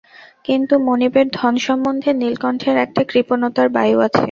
কিন্তু, মনিবের ধন সম্বন্ধে নীলকণ্ঠের একটা কৃপণতার বায়ু আছে।